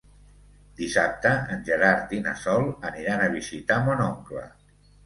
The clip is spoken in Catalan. Dissabte en Gerard i na Sol aniran a visitar mon oncle.